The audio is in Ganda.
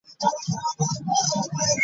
Obuwagizi bwe bugenze buggweerawo ddala.